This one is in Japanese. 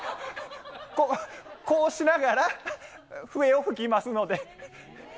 こうしながら、笛を吹きますので。